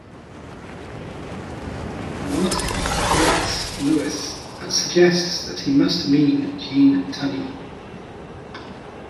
Martin corrects Lewis and suggests that he must mean Gene Tunney.